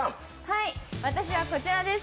私はこちらです。